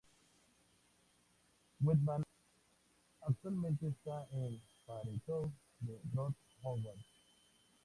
Whitman actualmente está en "Parenthood" de Ron Howard.